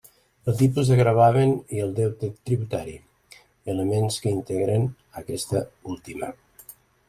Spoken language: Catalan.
El tipus de gravamen i el deute tributari; elements que integren aquesta última.